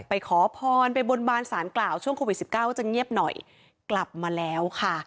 ขอพรไปบนบานสารกล่าวช่วงโควิดสิบเก้าจะเงียบหน่อยกลับมาแล้วค่ะ